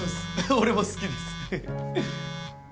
俺も好きです。